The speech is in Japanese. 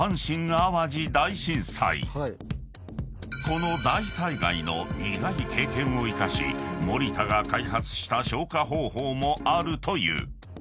［この大災害の苦い経験を生かしモリタが開発した消火方法もあるという］